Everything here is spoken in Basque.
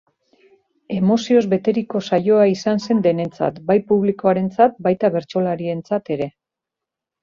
Emozioz beteriko saioa izan zen denentzat, bai publikoarentzat, baita bertsolarientzat ere.